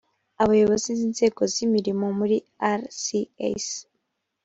abayobozi b inzego z imirimo muri rcs